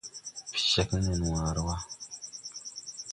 Pecèg gè nen waare.